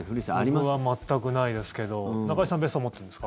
僕は全くないですけど中居さん、別荘持ってますか？